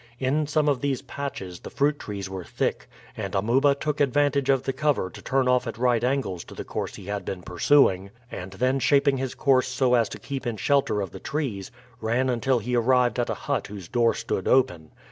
In some of these patches the fruit trees were thick, and Amuba took advantage of the cover to turn off at right angles to the course he had been pursuing, and then shaping his course so as to keep in shelter of the trees, ran until he arrived at a hut whose door stood open.